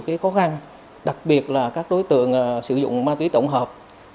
cái khó khăn đặc biệt là các đối tượng sử dụng ma túy tổng hợp